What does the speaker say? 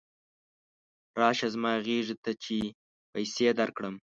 راشه زما غېږې ته چې پیسې درکړم.